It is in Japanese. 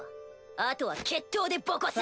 あとは決闘でボコす。